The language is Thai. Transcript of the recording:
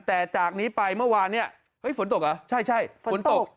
แต่จากนี้ไปเมื่อวานเนี่ยเฮ้ยฝนตกเหรอใช่ฝนตก